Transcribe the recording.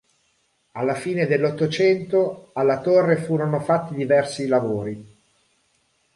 Alla fine dell'Ottocento alla torre furono fatti diversi lavori.